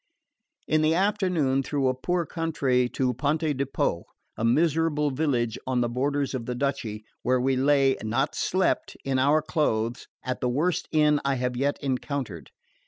In the afternoon through a poor country to Ponte di Po, a miserable village on the borders of the duchy, where we lay, not slept, in our clothes, at the worst inn I have yet encountered.